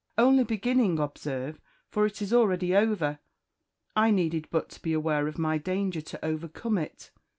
only beginning, observe, for it is already over I needed but to be aware of my danger to overcome it.